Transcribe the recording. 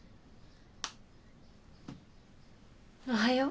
おはよう。